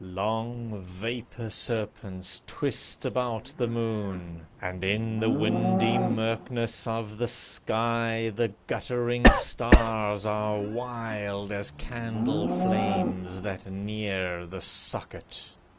Long vapor serpents twist about the moon, And in the windy murkness of the sky, The guttering stars are wild as candle flames That near the socket.